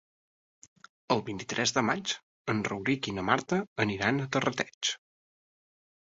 El vint-i-tres de maig en Rauric i na Marta aniran a Terrateig.